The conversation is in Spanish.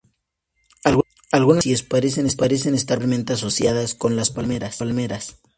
Algunas especies parecen estar particularmente asociadas con las palmeras.